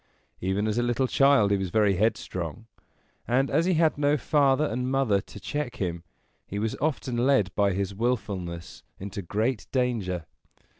Even as a little child he was very headstrong, and, as he had no father and mother to check him, he was often led by his willfulness into great danger.